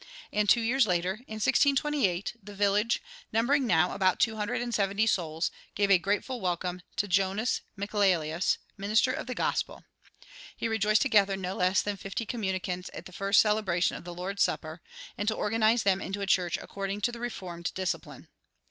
And two years later, in 1628, the village, numbering now about two hundred and seventy souls, gave a grateful welcome to Jonas Michaelius, minister of the gospel. He rejoiced to gather no less than fifty communicants at the first celebration of the Lord's Supper, and to organize them into a church according to the Reformed discipline.